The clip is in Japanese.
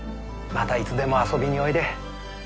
またいつでも遊びにおいで。